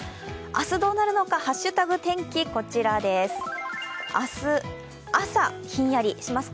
明日どうなるのか「＃ハッシュタグ天気」、こちらです。